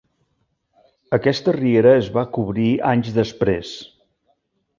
Aquesta riera es va cobrir anys després.